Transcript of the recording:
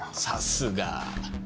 さすが。